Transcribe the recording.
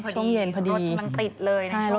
ช่วงเย็นพอดีรถมันติดเลยช่วงนั้นใช่ไหมคะ